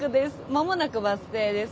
間もなくバス停です。